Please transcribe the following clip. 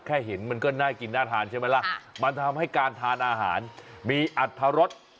เห็นมันก็น่ากินน่าทานใช่ไหมล่ะมันทำให้การทานอาหารมีอัตรรส